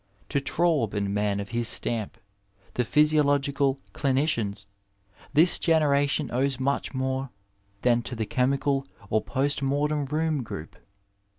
To Traube and men of his stamp, the physiological clinicians, this generation owes much more than to the chemical or post mortem'Toom group.